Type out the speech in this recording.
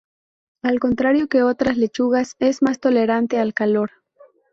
Al contrario que otras lechugas es más tolerante al calor.